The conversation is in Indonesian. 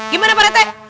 gimana pak rete